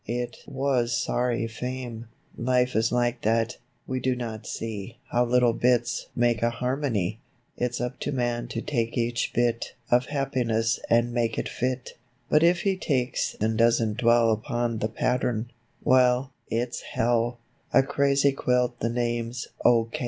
It was sorry fame. Life is like that, We do not see How little bits Make harmony — It's up to man to take each bit Of happiness and make it fit. But if he takes and doesn't dwell Upon the pattern — Well, it's Hell! A crazy quilt the name's O.